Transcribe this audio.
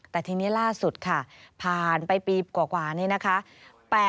แต่ทีนี้ล่าสุดค่ะผ่านไปปีกว่านี้นะคะ